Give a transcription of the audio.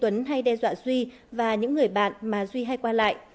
tuấn hay đe dọa duy và những người bạn mà duy hay qua lại